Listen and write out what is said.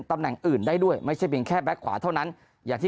ตำแหน่งอื่นได้ด้วยไม่ใช่เพียงแค่แบ็คขวาเท่านั้นอย่างที่